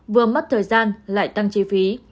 vừa mất thời gian lại tăng chi phí